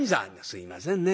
「すいませんね。